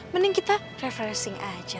mending kita refreshing aja